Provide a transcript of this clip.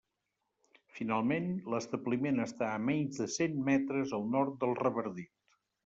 Finalment, l'establiment està a menys de cent metres al nord del Revardit.